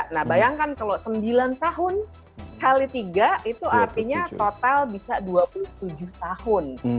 nah bayangkan kalau sembilan tahun kali tiga itu artinya total bisa dua puluh tujuh tahun